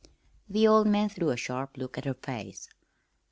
The old man threw a sharp look at her face.